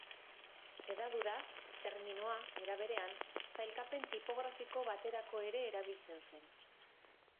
Hedaduraz, terminoa, era berean, sailkapen tipografiko baterako ere erabiltzen zen.